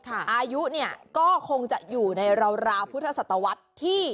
อายุเนี่ยก็คงจะอยู่ในราวพุทธศตวรรษที่